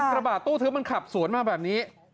กระบาดตู้ทึบมันขับสวนมาแบบนี้